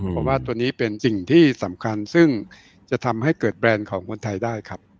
เพราะว่าตัวนี้เป็นสิ่งที่สำคัญซึ่งจะทำให้เกิดแบรนด์ของคนไทยได้ครับ